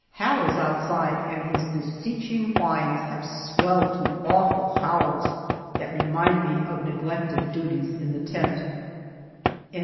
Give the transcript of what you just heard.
Hal is outside, and his beseeching whines have swelled to awful howls that remind me of neglected duties in the tent.